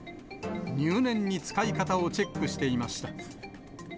入念に使い方をチェックしていました。